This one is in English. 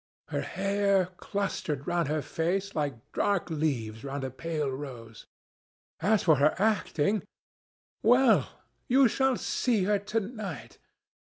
Her hair clustered round her face like dark leaves round a pale rose. As for her acting—well, you shall see her to night.